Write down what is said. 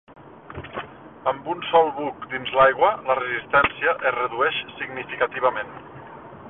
Amb un sol buc dins l'aigua la resistència es redueix significativament.